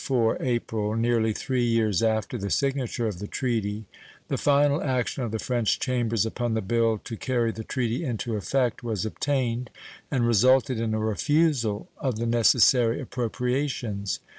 In 1834 April, nearly three years after the signature of the treaty, the final action of the French Chambers upon the bill to carry the treaty into effect was obtained, and resulted in a refusal of the necessary appropriations.